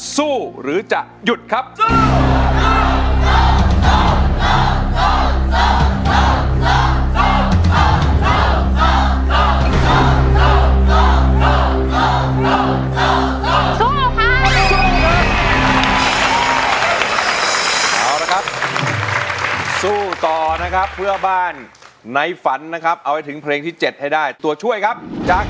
สู้ต่อนะครับเพื่อบ้านในฝันนะครับเอาให้ถึงเพลงที่เจ็ดให้ได้ตัวช่วยครับจาก